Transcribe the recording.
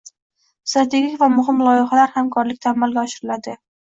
strategik va muhim loyihalar hamkorlikda amalga oshiriladi.